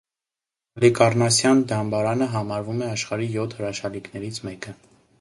Հալիկառնասյան դամբարանը համարվում է աշխարհի յոթ հրաշալիքներից մեկը։